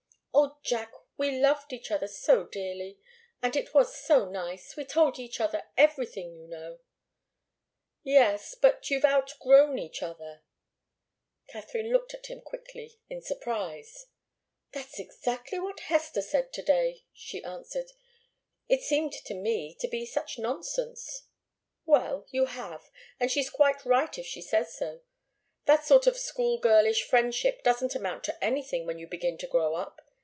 "Oh, Jack! We loved each other so dearly! And it was so nice we told each other everything, you know." "Yes but you've outgrown each other." Katharine looked at him quickly, in surprise. "That's exactly what Hester said to day," she answered. "It seemed to me to be such nonsense." "Well you have, and she's quite right if she says so. That sort of school girlish friendship doesn't amount to anything when you begin to grow up.